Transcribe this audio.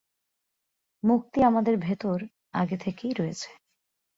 মুক্তি আমাদের ভেতর আগে থেকেই রয়েছে।